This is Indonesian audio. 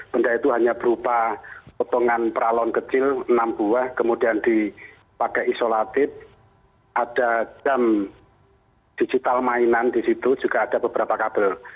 benda itu hanya berupa potongan peralon kecil enam buah kemudian dipakai isolatif ada jam digital mainan di situ juga ada beberapa kabel